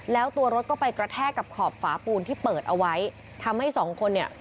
แล้วตัวรถก็ไปกระแทกกับขอบฝาปูนที่เปิดเอาไว้ทำให้สองคนเนี่ย